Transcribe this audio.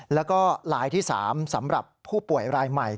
แล้วก็ลายที่๓สำหรับผู้ป่วยรายใหม่